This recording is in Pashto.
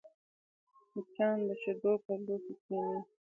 مچان د شیدو پر لوښي کښېني